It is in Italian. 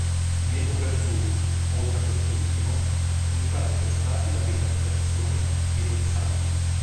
In epoca Zhou, oltre a quest'ultimo, sono attestati la decapitazione e lo "zhan".